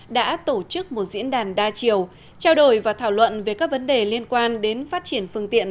đã tổ chức một diễn đàn đa chiều trao đổi và thảo luận về các vấn đề liên quan đến phát triển phương tiện